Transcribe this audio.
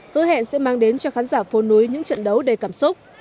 hứa hẹn sẽ mang đến cho khán giả phố núi những trận đấu đầy cảm xúc